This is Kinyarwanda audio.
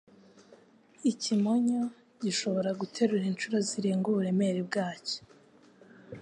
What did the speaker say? Ikimonyo gishobora guterura inshuro zirenga uburemere bwacyo.